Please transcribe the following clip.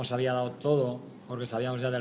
hari ini karena kita sudah tahu